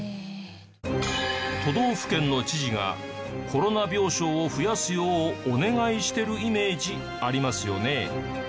都道府県の知事がコロナ病床を増やすようお願いしてるイメージありますよね？